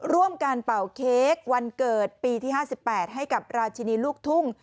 ร่วมการเป่าเค้กวันเกิดปีที่๕๘ให้กับราชินีลูกทุ่ง